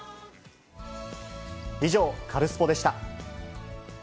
以上、カルスポっ！でした。